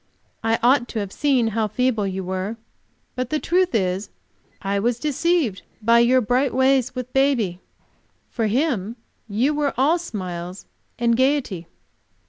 I ought to have seen how feeble you were. But the truth is, I was deceived by your bright ways with baby. For him you were all smiles and gayety."